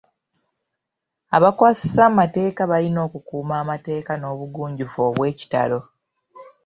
Abakwasisa amateeka balina okukuuma amateeka n'obugunjufu obw'ekitalo.